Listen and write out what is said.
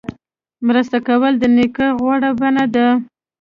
مرسته کول د نیکۍ غوره بڼه ده.